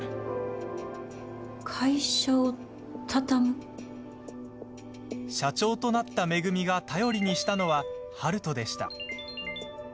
社長となった、めぐみが頼りにしたのは悠人でした。